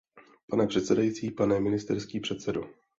Pane předsedající, pane ministerský předsedo.